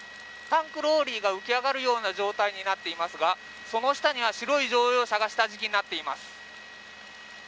タンクローリーが浮き上がるような状態になっていますがその下には白い乗用車が下敷きになっています。